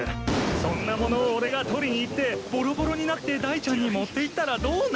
そんなものを俺が採りに行ってボロボロになってダイちゃんに持っていったらどうなる？